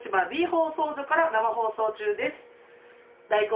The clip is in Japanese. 放送所から生放送中です。